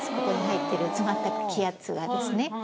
ここに入ってる詰まった気圧がですね。